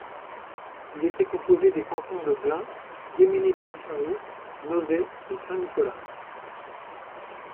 Il était composé des cantons de Blain, Guéméné Pimfao, Nozay et Saint Nicolas.